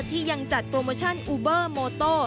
ที่ยังจัดโปรโมชั่นอูเบอร์โมโต